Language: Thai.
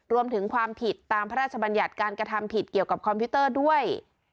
รวมถึงความผิดตามพระราชบัญญัติการกระทำผิดเกี่ยวกับคอมพิวเตอร์ด้วย